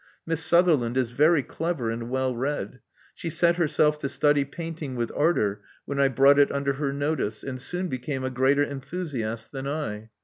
Miss Sutherland is very clever and well read. She set her self to study painting with ardor when I brought it under her notice, and soon became a greater enthusiast than I.